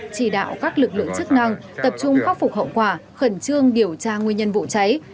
chỉ đạo các lực lượng chức năng tập trung khắc phục hậu quả khẩn trương điều tra nguyên nhân vụ cháy